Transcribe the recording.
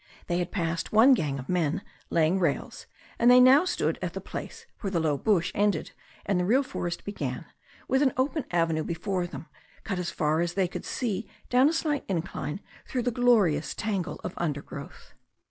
They had passed one gang of men laying 'rails, and they now stood at the place where the low bush ended and the real forest began, with an open avenue before them, cut as far as they could see down a slight incline through a glorious tangle of undergrowth.